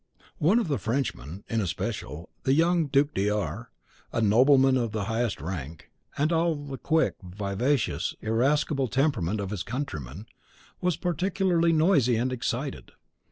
One of the Frenchmen, in especial, the young Duc de R , a nobleman of the highest rank, and of all the quick, vivacious, and irascible temperament of his countrymen, was particularly noisy and excited.